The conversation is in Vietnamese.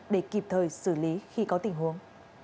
để kịp thời xử lý khi có tình huống